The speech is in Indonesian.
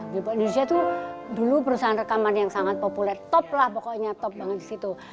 bipo indonesia tuh dulu perusahaan rekaman yang sangat populer top lah pokoknya top banget di situ